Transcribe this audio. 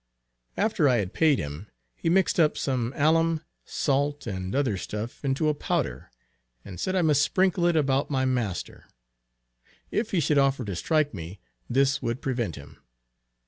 After I had paid him, he mixed up some alum, salt and other stuff into a powder, and said I must sprinkle it about my master, if he should offer to strike me; this would prevent him.